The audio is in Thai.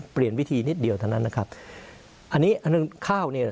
เปลี่ยนวิธีนิดเดียวเท่านั้นนะครับอันนี้อันนั้นข้าวเนี่ย